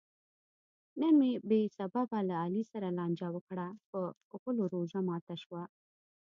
نن مې بې سببه له علي سره لانجه وکړه؛ په غولو روژه ماته شوه.